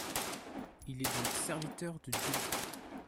Il est donc serviteur de Dieu.